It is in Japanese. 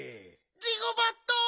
ジゴバット！？